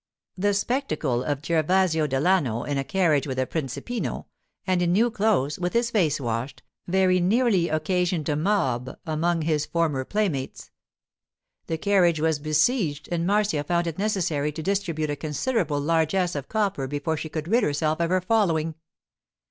The spectacle of Gervasio Delano in a carriage with the principino, and in new clothes, with his face washed, very nearly occasioned a mob among his former playmates. The carriage was besieged, and Marcia found it necessary to distribute a considerable largess of copper before she could rid herself of her following.